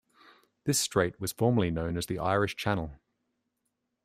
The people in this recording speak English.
This strait was formerly known as the Irish Channel.